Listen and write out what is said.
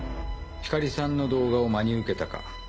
光莉さんの動画を真に受けたか。